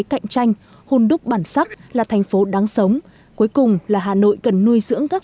cạnh tranh hôn đúc bản sắc là thành phố đáng sống cuối cùng là hà nội cần nuôi dưỡng các